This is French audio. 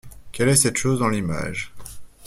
Quel est cette chose dans l’image ?